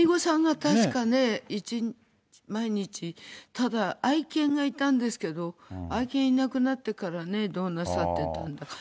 めいごさんが確か、毎日、ただ、愛犬がいたんですけど、愛犬いなくなってからね、どうなさってたんだか。